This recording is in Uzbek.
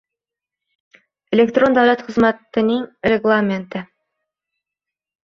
elektron davlat xizmatining reglamenti